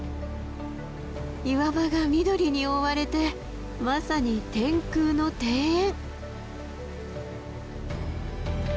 岩場が緑に覆われてまさに天空の庭園。